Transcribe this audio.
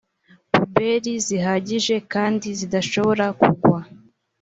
pubeli zihagije kandi zidashobora kugwa